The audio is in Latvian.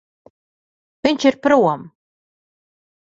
Viņš ir prom.